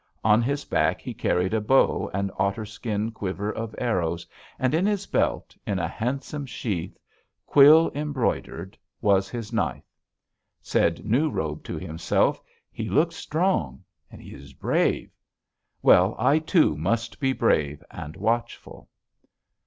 On his back he carried a bow and otter skin quiver of arrows, and in his belt, in a handsome sheath, quill embroidered, was his knife. Said New Robe to himself: 'He looks strong, he is brave. Well, I too must be brave, and watchful.'